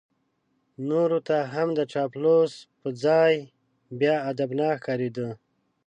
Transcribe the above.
نورو ته هم د چاپلوس په ځای بیا ادبناک ښکارېده.